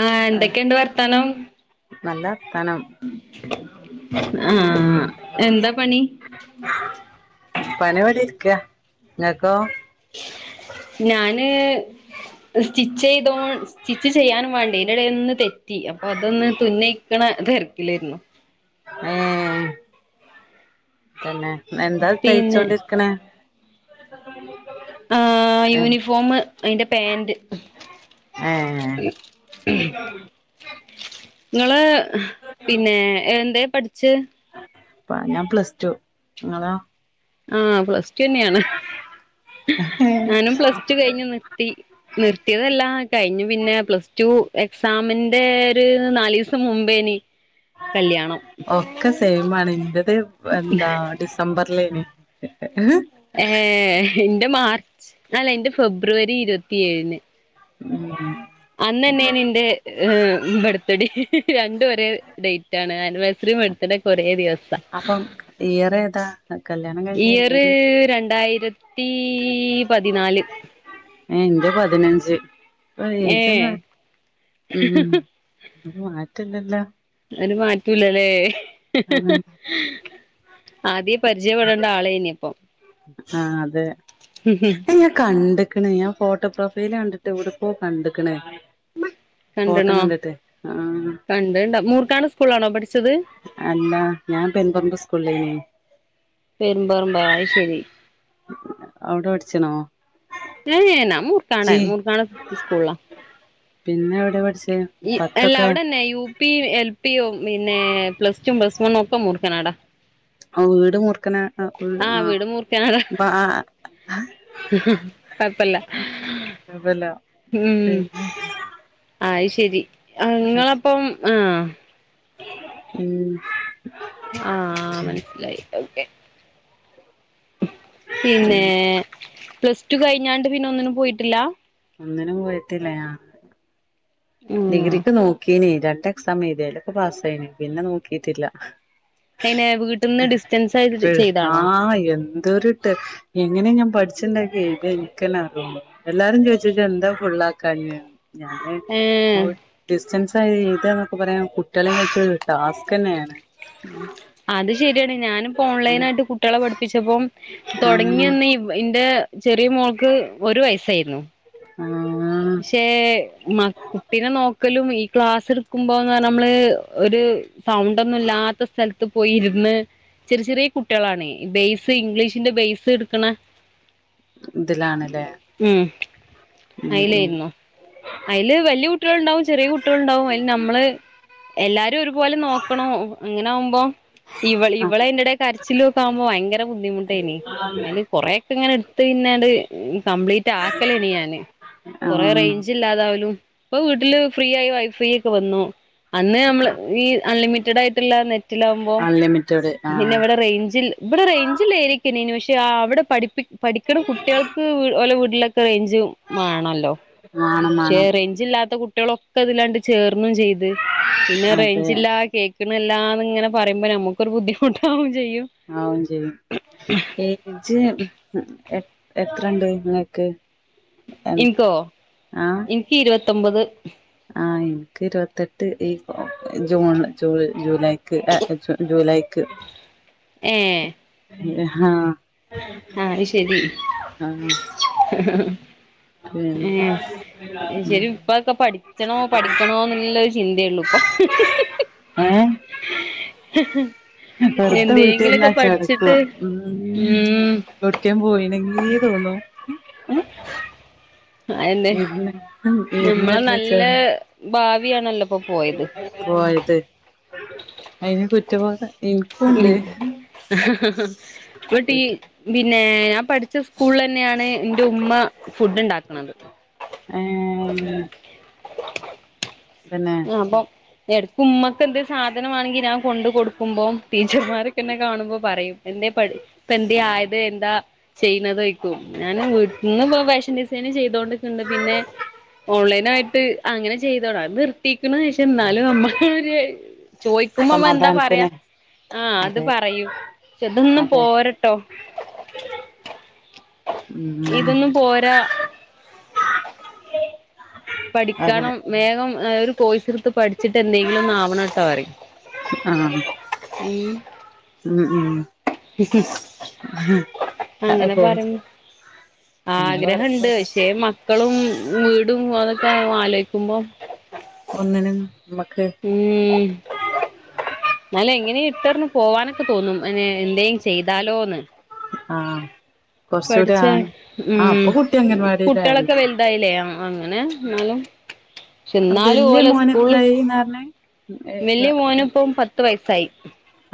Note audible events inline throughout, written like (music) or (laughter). ആഹ് എന്തൊക്കേണ്ട് വർത്താനം നല്ലവർത്താനം ആഹ് എന്താ പണി (unintelligible) ഇരിക്കാ ഇങ്ങക്കോ ഞാന് സ്റ്റിച്ചെയ്തോ സ്റ്റിച്ച് ചെയ്യാനും വാണ്ടേ അയിന്റെ ഒന്ന് തെ റ്റി അപ്പൊ അതൊന്ന് തുന്നയിക്കണെ തെരക്കില്ലേരുന്നു ഏഹ് തന്നെ എന്താ പിന്നെ തയ്ച്ചോണ്ടിര് ക്ക്ണെ ആഹ് യൂണിഫോമ് അയിന്റെ പാന്റ് ഏഹ് ഇങ്ങള് പിന്നെ എന്തേ പഠ്ച്ചേ പ ഞാൻ പ്ലസ് ടു നിങ്ങളോ ആഹ് പ്ലസ് ടു തന്നേണ് ഞാനും പ്ലസ് ടു കഴിഞ്ഞ് നിർത്തി നിർത്തിയതല്ല കഴിഞ്ഞു പിന്നെ പ്ലസ് ടു എക്സാമിന്റെ ഒരു നാലീ സം മുമ്പേനി കല്യാണം ഒക്കെ സെയിമാണ് ഇന്റത് എന്താ ഡിസംബറ്ലേനി ഏഹ് ഇന്റെ മാർച്ച് അല്ല ഇന്റെ ഫെബ്രുവരി ഇരുവത്തി ഏഴിന് ഉം അന്ന് തന്നേണ് ഇന്റെ ഏഹ് ബർത്ത്ഡേ രണ്ടും ഒരേ ഡേ റ്റാണ് ആനിവേഴ്സറിം ബർത്ത്ഡെക്കെ ഒരേ ദിവസാ അപ്പം ഇയറേതാ ആ കല്യാണം കഴിഞ്ഞേ ഇയർ രണ്ടായിര ത്തി പതിനാല് ഏഹ് ഇന്റെ പതിനഞ്ച് ഏ (unintelligible) ഉം അത് മാറ്റല്ലല്ലോ ഒര് മാറ്റും ഇല്ലല്ലേ ആഹ് ആദ്യേ പരിചയപ്പെടേണ്ട ആളേ ഇനി ഇപ്പം ആഹ് അതെ ഞാൻ കണ്ട് ക്ക്ണ് ഞാൻ ഫോട്ടോ പ്രൊഫൈൽ കണ്ടിട്ട് ഇവിടെ പോ കണ്ടക്ക്ണ് ഇയാളെ ഫോട്ടം കണ്ടിട്ടെ ആഹ് കണ്ടണ്ടാ മൂർക്കാണ് സ്കൂളാണോ പഠിച്ചത് അല്ലാ ഞാൻ പെൻപർമ്പ് സ്കൂളേനി പെരുമ്പാറമ്പ അത് ശരി അവിടെ പഠിച്ചണോ (unintelligible) മൂർക്കാട മൂർക്കാട സ്കൂളിലാ പിന്നെ എവിടെ പഠിച്ചേ അല്ല പത്തൊക്കെ അവിടെന്നെ യൂ പി എൽ പിയും പിന്നെ പ്ലസ് ടു പ്ലസ് വണ്ണും ഒക്കെ മുർക്കനാടാ ആഹ് വീട് മുർക്കനാ ആഹ് അപ്പ കൊഴ്പ്പല്ല അതല്ല ഉം പിന്നെ അത് ശരി നിങ്ങളപ്പം ആഹ് ഉം ആഹ് മനസിലായി ഓക്കെ പിന്നെ പ്ലസ് ടു കഴിഞ്ഞാണ്ട് പിന്നെ ഒന്നിനും പോയിട്ടില്ല അങ്ങനെ പോയിട്ടില്ല ആഹ് ഉം ഡിഗ്രിക്ക് നോക്കീന് രണ്ട് എക്സാം എഴുതിയാലും പാസ്സായിന് പിന്നെ നോക്കിട്ടില്ല അയിനെ വീട്ടിൽന്ന് ഡിസ്റ്റൻസ് ആയിട്ട് (unintelligible) ചെയ്താണോ ആഹ് എന്തൊരു എങ്ങനെ ഞാൻ പഠിച്ചന്നെ എഴുതിയെന്ന് എനിക്കന്നെ അറിയില്ല എല്ലാരും ചോദിച്ച് ഇത് എന്താ ഫുള്ളാക്കാഞ്ഞെ ഞാന് ഏഹ് ഡിസ്റ്റൻസ് ആയി എഴുതാനെക്കെ പറയാൻ കുട്ടികളെവെച്ച് ടാസ്ക് തന്നെയാണ് ഉം അത് ശരിയാണ് ഞാനിപ്പോ ഓൺലൈൻ ആയിട്ട് കുട്ടികളെ പഠിപ്പിച്ചപ്പം ആഹ് തുടങ്ങിയന്ന് എന്റെ ചെറിയ മോൾക്ക് ഒരു വയസായിരുന്നു ആഹ് പക്ഷേ മ കുട്ടിനെ നോക്കലും ഈ ക്ലാസ് എടുക്കുമ്പോന്ന് പറ നമ്മള് ഒരു സൗണ്ട് ഒന്നും ഇല്ലാത്ത സ്ഥലത്ത് പോയി ഇരുന്ന് ചെറിയ ചെറിയ കുട്ടികളാണേ ബേസ് ഇംഗ്ലീഷിന്റെ ബേസ് എടുക്കണ ഇതിലാണല്ലേ ഉം ഉം ഉം അയിലായിരുന്നു അയില് വല്യ കുട്ടികൾ ഉണ്ടാവും ചെറിയ കുട്ടികൾ ഉണ്ടാവും അതില് നമ്മള് എല്ലാരും ഒരുപോലെ നോക്കണോ അങ്ങനെ ആവുമ്പോ ഇവള ഇവളെ ആഹ് അയിന്റെടെ കരച്ചില് ഒക്കെ ആവുമ്പോ ഭയങ്കര ബുദ്ധിമുട്ടായിനി അതില് കൊറെയൊക്കെ ഇങ്ങനെ എടു പിന്നത് ഇനി കംപ്ലീറ്റ് ആക്കല ഇനി ഞാന് കൊറെ ആഹ് റേഞ്ച് ഇല്ലാതാവലും ഇപ്പൊ വീട്ടില് ഫ്രീ ആയി വൈഫൈ ഒക്കെ വന്നു അന്ന് നമ്മള് ഈ അൺലിമിറ്റഡ് ആയിട്ടുള്ള നെറ്റ് അൺലിമിറ്റഡ് പിന്നെ ആഹ് ഇവിടെ റേഞ്ചിൽ ഇവിടെ റേഞ്ചില്ലായിരിക്കുനിന് പക്ഷെ അവിടെ പഠി പഠിക്കുന്ന കുട്ടികൾക്ക് ഓലെ വീട്ടിലൊക്കെ റേഞ്ചും വേണല്ലോ വേണം പക്ഷെ വേണം റെഞ്ച് ഇല്ലാത്ത കുട്ടികളൊക്കെ അതില്ലാണ്ട് ചേർന്നും ചെയ്ത് പിന്നെ അതെ റേഞ്ചില്ലാ കേക്കണില്ലാന്ന് ഇങ്ങനെ പറയുമ്പോ നമുക്കൊരു ബുദ്ധിമുട്ടാവും ചെയ്യും ആവും ചെയ്യും ഏജ് എത്രണ്ട് നിങ്ങക്ക് ഇനിക്കോ ആഹ് ഇനിക്ക് ഇരുപത്തൊമ്പത് ആഹ് എനിക്ക് ഇരുപത്തെട്ട് ഈ ജൂൺ ജ ജൂലൈ ജൂലൈക്ക് ഏഹ് (unintelligible) ഹാ ആഹ് അത് ശരി ഉം ഏഹ് ശെരിം ഇപ്പ ഒക്ക പഠിച്ചണോ പഠിക്കണോന്നുള്ള ചിന്തേ ഉള്ളു ഇപ്പൊ ഏഹ് വെറുതെ എന്തെങ്കിലുമൊക്കെ വീട്ടിരുന്നാ പഠിച്ചിട്ട് ചടക്കും ഉം ഉം എവ്ട്ക്കേം പോയിണെങ്കീ തോന്നും അയന്നെ ഇര്ന്ന് ഇര്ന്ന് നമ്മളെ നല്ല വെച്ചാര് ഭാവിയാണല്ലോ ഇപ്പൊ പോയത് പോയത് അയിന് കുറ്റബോധ (unintelligible) ഈ കുറ്റ പിന്നേ ഞാൻ പഠിച്ച സ്കൂൾള് തന്നേണ് ഇന്റെ ഉമ്മ ഫുഡ് ഉണ്ടാക്ക്ണത് ഏഹ് പിന്നെ ഏഹ് അപ്പം എടക്ക് ഉമ്മക്ക് എന്തേ സാധനം വാണങ്കി ഞാൻ കൊണ്ട് കൊടുക്കുമ്പോം ടീച്ചർമാരൊക്കെന്നെ കാണുമ്പോ പറയും എന്തേ പഠിപ്പ് എന്തേ ആയത് എന്താ ചെയ്യുന്നത് വയ്ക്കും ഞാന് വീട്ടിന്ന് ഇപ്പ ഫാഷൻ ഡിസൈനിങ് ചെയ്തോണ്ട്ക്ക്ണ്ട് പിന്നേ ഓൺലൈൻ ആയിട്ട് അങ്ങനെ ചെയ്തോടാ അത് നിർത്തീക്ക്ണ് പക്ഷേ എന്നാലും നമ്മക്ക് ഒര് ചോയിക്കുമ്പ നമ്മള് എന്താ പറയാ സമാധാനത്തിന് ആഹ് അത് അതെ പറയും പക്ഷേ ഇതൊന്നും അതെ പോരട്ടോ (inaudible) ഉം ഇതൊന്നും പോരാ (unintelligible) അതെ പഠിക്കാണം വേഗം ഏഹ് ഒരു കോഴ്സ് എടുത്ത് പഠി ച്ചിട്ട് എന്തെങ്കിലും ഒന്നാവണട്ടോ പറിം ആഹ് ഉം ഉം ഉം അങ്ങനെ അപ്പൊ പറഞ്ഞ് അങ്ങനെ ആഗ്രഹം പറയുമ്പോ ഇണ്ട് അതാ പക്ഷേ മക്കളും വീടും അതൊക്കെ ആലോയിക്കുമ്പം ഒന്നിനും നമ്മക്ക് (unintelligible) ഉം എന്നാലും എങ്ങനേയും ഇട്ടെറിഞ്ഞ് പോവാനൊക്കെ തോന്നും അനേ എന്തേം ചെയ്താലോന്ന് ആഹ് കൊറച്ചൂടി ആ പഠിച്ചേ ആഹ് ഇപ്പൊ ഉം കുട്ടി അംഗൻവാടിയിലായി കുട്ടിയളൊക്കെ വെലുതായില്ലേ ആഹ് അങ്ങനെ ഇന്നാലും പക്ഷെ എന്നാലും വല്യ ഓലെ മോന് സ്കൂള് എത്രായിന്ന പറഞ്ഞെ വെല്ല്യ മോനിപ്പം പത്ത് വയസ്സായി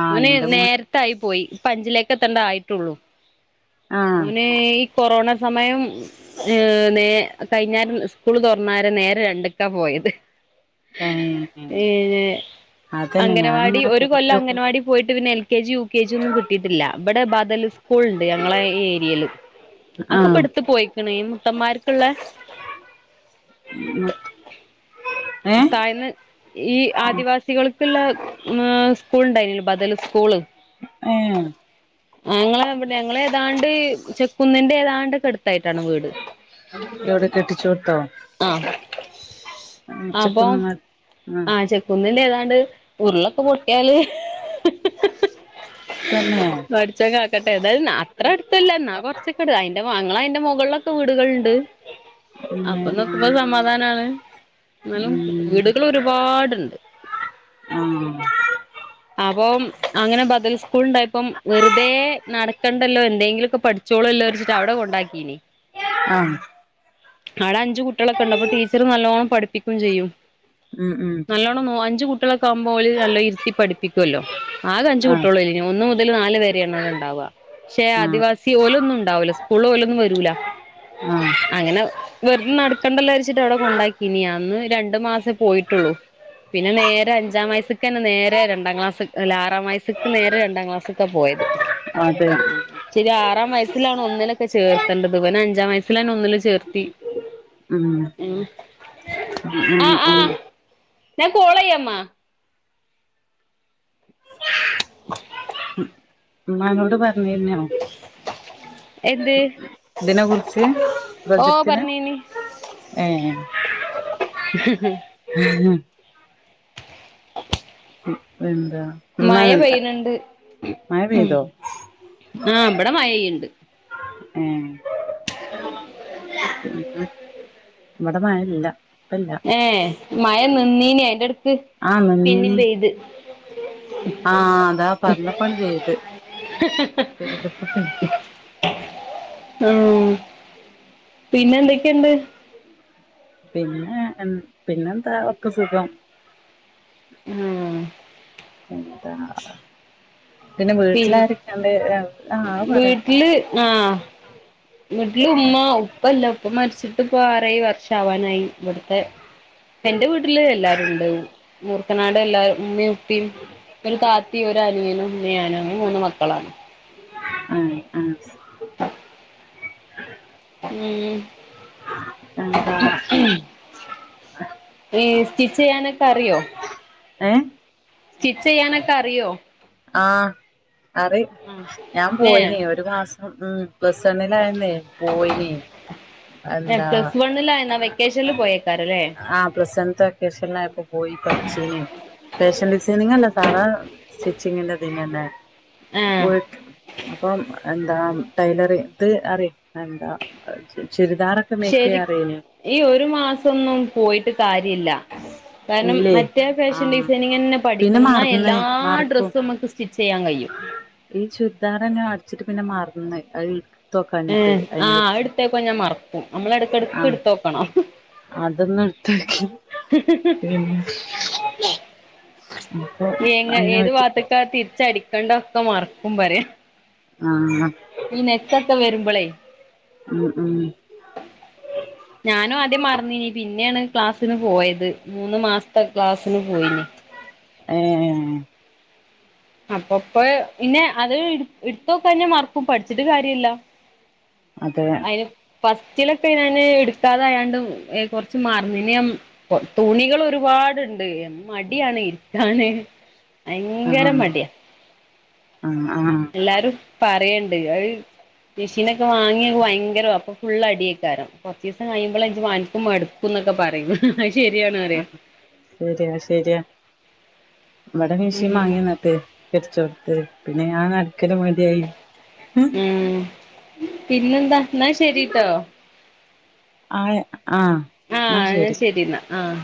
ആഹ് അവന് എന്റെ മോൻ നേര് ട്ടായി പോയി ഇപ്പ അഞ്ചിലേക്ക് എത്തേണ്ട ആയിട്ടൊള്ളൂ ആഹ് മോനേ ഈ കൊറോണ സമയം ഏഹ് നേ കഴിഞ്ഞാരം സ്കൂള് തൊറന്നാരെ നേരെ രണ്ട്ക്കാ പോയത് (unintelligible) ഏഴ് അതന്നെ അംഗനവാടി ഞാനിങ്ങനെ ഒരു കൂട്ടി കൊല്ലം നോക്കുമ്പോ അംഗനവാടി പോയിട്ട് പിന്നെ L K G U K G ഒന്നും കിട്ടിയിട്ടില്ലാ ഇബടെ ബദല് സ് സ്കൂൾണ്ട് ഞങ്ങളെ ഈ ഏരിയേല് അതൊക്കെപ്പ ആഹ് എടുത്തു പോയിക്ക്ണ് ഈ മുത്തന്മാർക്ക്ള്ളേ (inaudible) താഴ്ന്ന് ഈ ആദിവാസികൾക്കുള്ള മാ സ്കൂൾ ഉണ്ടായിരുന്നല്ലോ ബദല് സ്കൂള് ഏഹ് ആഹ് ഞങ്ങള് ഇവിടെ ഞങ്ങള് ഏതാണ്ട് ചെക്കുന്നിന്റെ ഏതാണ്ടൊക്കെ അടുത്തായിട്ടാണ് വീട് എവിടെ കെട്ടിച്ചോടുത്തോ ആഹ് ഉം അപ്പൊ ചെക്കുന്നങ്ങാ ആഹ് ചെക്കുന്നിന്റെ ഏതാണ്ട് ഉരുളൊക്കെ പൊട്ടിയാല് തന്നേ പടച്ചോൻ കാക്കട്ടെ ഏന്തായാലും നാ അത്ര അടുത്തല്ല എന്നാ കൊറച്ചൊക്കെ അടു അയിന്റെ മാെ അങ്ങള് അയിന്റെ മൊകളിലൊക്കെ വീടുകള്ണ്ട് പിന്നെ ആഹ് സമാധാനാണ് എന്നാലും ഉം വീടുകൾ ഒരുപാടുണ്ട്. ആഹ് ആപോം അങ്ങനെ ബദൽസ്കൂൾ ഉണ്ടായപ്പം വെറുതെ നടക്കണ്ടല്ലോ എന്തെങ്കിലൊക്കെ പഠി ച്ചോളുല്ലചാരിച്ചിട്ട് അവിടെ കൊണ്ടാക്കീനി. ആഹ് ആടെ അഞ്ചു കുട്ടികളൊക്കുണ്ട് അപ്പൊ ടീച്ചർ നല്ലോണം പഠിപ്പിക്കും ചെയ്യും. ഉം ഉം നല്ലോണന്നോ അഞ്ച് കുട്ടികളക്കാവുമ്പോ ഓല് നല്ല ഇരുത്തി പഠിപ്പിക്കൊല്ലോ ആകെ അഞ്ചു ആഹ് കുട്ടികളയ്ല് ന്നെ ഒന്ന് മുതൽ നാല് വരേണ് അവിടെണ്ടാവ. ക്ഷെ ആഹ് ആദിവാസി ഓലൊന്നുണ്ടാവൂല്ല സ്കൂൾ ഓലൊന്നു വരൂല. ആഹ് അങ്ങനെ വെറുത് നടക്കണ്ടല്ലോ യാരിച്ചിട്ട് അവിടെ കൊണ്ടാക്കീനി അന്ന് രണ്ടു മാസേ പോയിട്ടൊള്ളു. പിന്നെ നേരെ അഞ്ചാം വയസ്സ്ക്കെന്നെ നേ തേ രണ്ടാം ക്ലാസ് അല്ല ആറാം വയസ്ക്ക് നേരെ രണ്ടാം ക്ലാസ്സ്ക്ക പോയത്. അതെ ശരി ആറാം വയസ്സിലാണ് ഒന്നിലൊക്കെ ചേർത്തണ്ടത്. ഇവനെ അഞ്ചാംവയസ്സിലന്നെ ഒന്നില് ചേർത്തി. മ് ആഹ് ആഹ് ആഹ് ഞാൻ കോളെയ്യമ്മ മ്മാനോട് പറഞ്ഞിനോ? എന്ത്? ഇതിനെ കുറിച്ച് ഓ പ്രൊജക്റ്റിനെ. പറഞ്ഞീനി ഏഹ് ഹ് ഇപ്പെന്താ മഴ മ്മനെന്താ പെയ്യ്ണണ്ട് മഴ പെയ്തോ? ആഹ് ഇബടെ മഴയ്യ്ണ്ട്. ഏഹ് പിന്നെ ഇവടെ മയ്യല്ല. ഏഹ് മഴ നിന്നീനി അയിന്റെട്ക്ക് ആഹ് പിന്നിം നിന്നീനി പെയ്ത്. ആഹ് അതാ പറഞ്ഞപ്പം ചെയ്ത് ശരി വെക്കട്ടെ മ് പിന്നെന്തക്കേണ്ട്? പിന്നെ എൻ പിന്നെന്താ ഒക്കെ സുഖം. ആഹ് എന്താ പിന്നെ പി വീട്ടിലാരക്ക്ണ്ട്? ആഹ് അത് പറയാ വീട്ടില് ആഹ് വീട്ടില് ഉമ്മ ഉപ്പല്ല ഉപ്പ മരിച്ചിട്ട്പ്പ ആറേഴ് വർഷാവാനായി ഇവ്ട്ത്തെ. എന്റെ വീട്ടില് എല്ലാരുണ്ട് മൂർക്കനാട് എല്ലാര് ഉമ്മി പ്പിം ഒരു താത്തിം ഒരു അനിയനും പിന്നെ ഞങ്ങള് മൂന്ന് മക്കളാണ്. ആഹ് ആഹ് ഉം എന്താ? ഏഹ് സ്റ്റിച്ചെയ്യാനൊക്കറിയോ? ഏഹ്? സ്റ്റിച്ചെയ്യാനൊക്കറിയോ? ആഹ് അറിം ഞാൻ ആഹ് ഏഹ് പോയിനി ഒരു മാസം ഉം. പ്ലസ്സണ്ണിലായന്നേ പോയിനിം എന്താ? ആ വെക്കേഷൻൽ പോയേക്കാരെ ല്ലേ? ആഹ് പ്ലസ് വൺത്തെ. ക്കേഷൻലായപ്പൊ പോയി പഠിച്ചിനി ഫാഷൻ ഡിസൈനിങ്ങല്ല സാധാ സ്റ്റി ചിങ്ങ്ന്റെതിനെന്നെ ആഹ് ഓൽ അപ്പം എന്താ ന്താ ടൈലറി ഇത് അറി എന്താ ചുരിദാറൊക്കെ ശരി മേക്കെയ്യാൻ അറിയ്നി. ഈ ഒരു മാസൊന്നും പോയിട്ട് കാര്യല്ല. കാരണം ഇല്ലേ മറ്റേ ഫാഷൻ ആഹ് ഡിസൈനിങ്ങെന്നെ പിന്നെ പഠിക്കണം ന്നാ മറന്ന് എല്ലാ മറക്കും ഡ്രസ്സും മ്മക്ക് സ്റ്റിച്ചെയ്യാൻ കയ്യും. ഈ ചുരിദാറെന്നെ അട്ച്ച്ട്ട് പിന്നെ മറന്ന് അഹ് ഏഹ് ആഹ് എടുത്തേക്കാഞ്ഞാ മർക്കും നമ്മളെട്ക്കട്ക്ക് ട്ത്തോക്കണം. അതൊന്ന്ട്ത്തോക്കി ഉം എങ്ങ അയിനെ ഏത് പറ്റി വാത്ത് ക്കാ തിരിച്ചടിക്കണ്ടൊക്കെ മർക്കും പറയാ ആഹ്. ഈ നെക്കൊക്കെ വരുമ്പളേ. ഉം ഉം ഞാനും ആദ്യം മറന്നിനീ പിന്നേണ് ക്ലാസ്സിന് പോയത് മൂന്ന് മാസം ത്തെ ക്ലാസ്ന് പോയിനി. ഏഹ്. ഏഹ്. അപ്പൊപ്പൊ പിന്നെ അത് ട്ത്തോക്കാഞ്ഞാ മർക്കും. പഠിച്ചിട്ട് കാര്യല്ല. അതെ അയ്ന് ഫസ്റ്റിലൊക്കെ ഞാന് ട്ക്കാതൊയാണ്ട് കൊറച്ച് മർന്ന്ന് ഞാ തുണികളൊരുപാട്ണ്ട് മടിയാണ് ഇര്ക്കാന്. ആഹ് ആഹ് ആഹ് ല്ലാരും പറയ്ണ്ട് അത് മിഷീനൊക്കെ വാങ്ങിയ വയങ്കര അപ്പൊ ഫുള്ള് അടിയക്കാരം. കൊർച്ചീസം കയ്യുമ്പള് അൻക്കും മട് ക്കുന്നൊക്കെ പറിം അത് ശരിയാണ് അറിയാ. ശെര്യാ ശെര്യാ വടെ മിഷീൻ ഉം വാങ്ങിന്നട്ട്. പിടിച്ചോട്ത്ത് പിന്നെ ഞാ നടുക്കല് മടി ആയി ഉം പിന്നെന്താ ന്നാ ശെരിട്ടോ. ആഹ് ആഹ് ന്നാ ശരി. എന്നാ ആഹ്